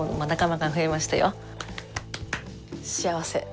幸せ。